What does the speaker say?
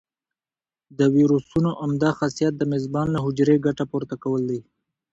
د ویروسونو عمده خاصیت د میزبان له حجرې ګټه پورته کول دي.